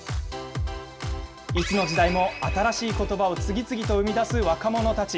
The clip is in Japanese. いつの時代も新しいことばを次々と生み出す若者たち。